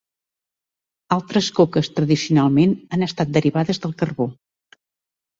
Altres coques tradicionalment han estat derivats del carbó.